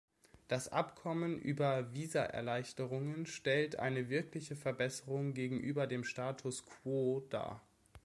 Das Abkommen über Visaerleichterungen stellt eine wirkliche Verbesserung gegenüber dem Status Quo dar.